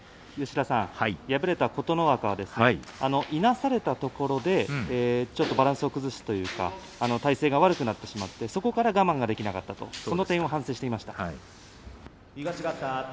敗れた琴ノ若いなされたところでバランスを崩すというか体勢が悪くなってしまってそこから我慢ができなかったその点を反省していました。